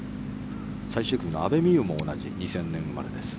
最終組の阿部未悠も同じ２０００年生まれです。